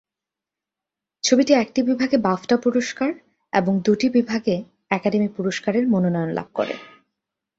ছবিটি একটি বিভাগে বাফটা পুরস্কার এবং দুইটি বিভাগে একাডেমি পুরস্কার-এর মনোনয়ন লাভ করে।